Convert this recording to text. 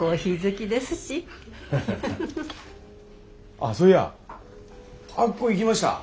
あっそういやあっこ行きました？